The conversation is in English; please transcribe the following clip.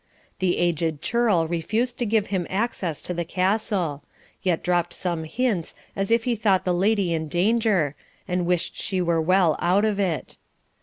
The aged churl refused to give him access to the castle; yet dropped some hints as if he thought the lady in danger, and wished she were well out of it.